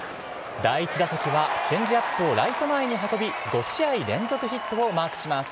第１打席はチェンジアップをライト前に運び５試合連続ヒットをマークします。